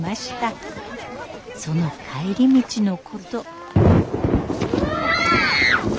その帰り道のこと。